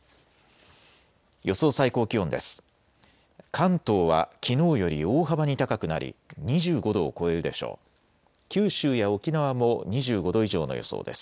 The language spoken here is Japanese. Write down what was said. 予想最高気温です。